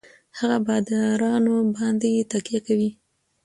هـغـه بـادارنـو بـانـدې يـې تکيـه کـوي.